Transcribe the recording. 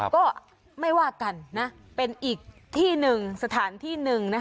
ก็ไม่ว่ากันนะเป็นอีกสถานที่หนึ่ง